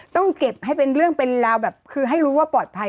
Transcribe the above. ต้องเก็บให้เป็นเรื่องเป็นราวแบบคือให้รู้ว่าปลอดภัย